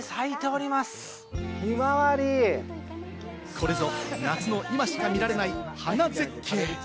これぞ夏の今しか見られない花絶景！